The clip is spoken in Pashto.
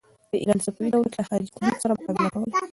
د ایران صفوي دولت له خارجي تهدید سره مقابله کوله.